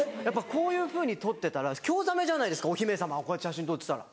こういうふうに撮ってたら興ざめじゃないですかお姫様がこうやって写真撮ってたら。